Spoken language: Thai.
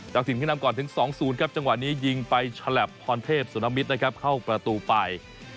สินขึ้นนำก่อนถึง๒๐ครับจังหวะนี้ยิงไปฉลับพรเทพสุนมิตรนะครับเข้าประตูไป